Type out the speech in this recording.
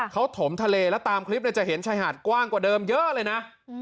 เขาถมทะเลแล้วตามคลิปจะเห็นชายหาดกว้างกว่าเดิมเยอะเลยนะ